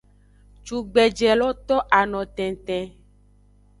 Cugbeje lo to ano tenten.